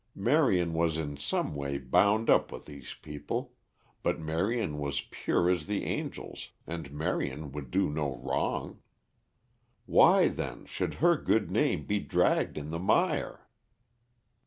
Marion was in some way bound up with these people, but Marion was pure as the angels and Marion would do no wrong. Why, then, should her good name be dragged in the mire?